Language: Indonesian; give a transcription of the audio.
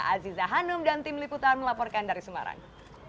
aziza hanum dan tim liputan melaporkan dari semarang